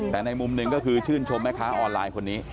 แต่ในมุมหนึ่งก็คือชื่นชมแม่ค้าออนไลน์คนนี้